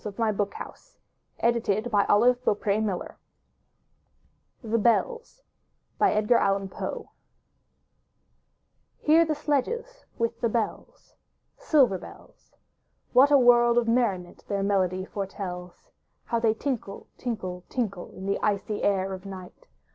301 MY BOOK HOUSE ANNM (AUFeA ^^•^\ %tj THE BELLS Edgar Allan Poe Hear the sledges with the bells — Silver bells! What a world of merriment their melody foretells! How they tinkle, tinkle, tinkle. In the icy air of night!